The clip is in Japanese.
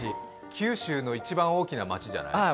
九州の一番大きな街じゃない？